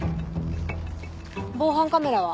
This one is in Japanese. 防犯カメラは？